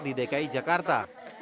di dki jakarta